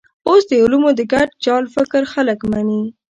اوس د علومو د ګډ جال فکر خلک مني.